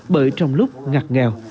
bởi trong lúc ngặt nghèo